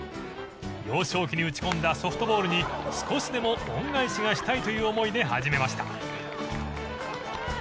幼少期に打ち込んだソフトボールに少しでも恩返しがしたいという思いで始めました。